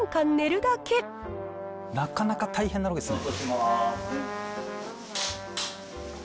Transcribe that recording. なかなか大変なロケですね。